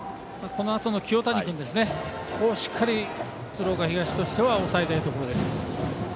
このあとの清谷君をしっかり、鶴岡東としては抑えたいところです。